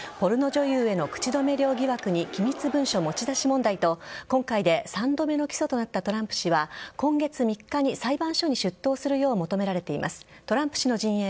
ポルノ女優への口止め料疑惑に機密文書持ち出し問題と今回で３度目の起訴となったトランプ氏は今月３日に裁判所に出頭するよう求められています。